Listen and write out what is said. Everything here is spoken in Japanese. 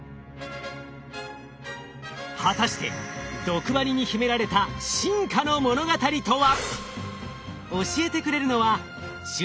果たして毒針に秘められた進化の物語とは？